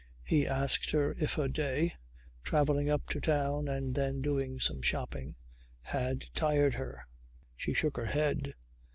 He asked her if her day, travelling up to town and then doing some shopping, had tired her. She shook her head.